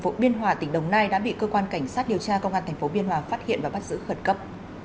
phố biên hòa tỉnh đồng nai đã bị cơ quan cảnh sát điều tra công an tp biên hòa phát hiện và bắt giữ khẩn cấp